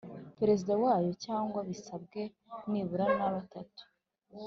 Perezida wayo cyangwa bisabwe nibura na batatu